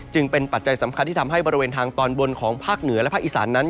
จึงเป็นปัจจัยสำคัญที่ทำให้บริเวณทางตอนบนของภาคเหนือและภาคอีสานนั้น